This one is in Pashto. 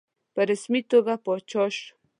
په رسمي توګه پاچا شو.